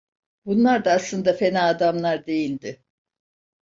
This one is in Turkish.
Bunlar da aslında fena adamlar değildi…